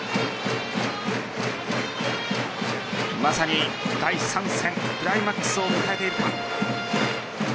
まさに第３戦クライマックスを迎えているか。